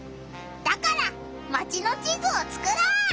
だからマチの地図をつくろう！